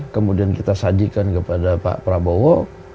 kemudian kita sajikan kepada pak prabowo